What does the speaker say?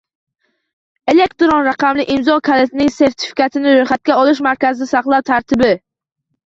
Elektron raqamli imzo kalitining sertifikatini ro‘yxatga olish markazida saqlash tartibi